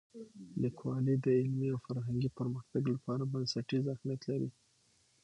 لیکوالی د علمي او فرهنګي پرمختګ لپاره بنسټیز اهمیت لري.